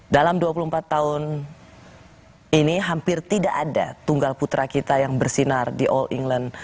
dalam dua puluh empat tahun ini hampir tidak ada tunggal putra kita yang bersinar di all england